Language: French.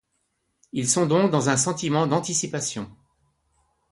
Ils sont donc dans un sentiment d'anticipation.